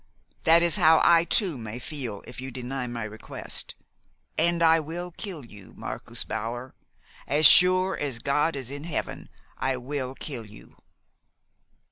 That is how I too may feel if you deny my request. And I will kill you, Marcus Bauer! As sure as God is in Heaven, I will kill you!"